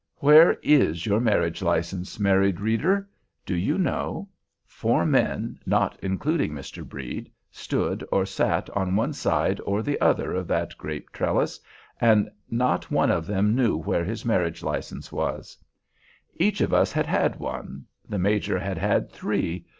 Where is your marriage license, married reader? Do you know? Four men, not including Mr. Brede, stood or sat on one side or the other of that grape trellis, and not one of them knew where his marriage license was. Each of us had had one—the Major had had three.